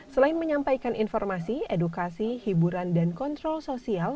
selain menyampaikan informasi edukasi hiburan dan kontrol sosial